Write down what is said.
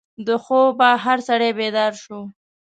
د خوبه هر سړی بیدار شو.